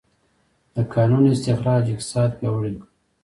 د کانونو استخراج اقتصاد پیاوړی کړ.